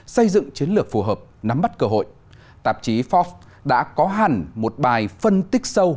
xây dựng chiến lược phù hợp nắm bắt cơ hội tạp chí forbes đã có hẳn một bài phân tích sâu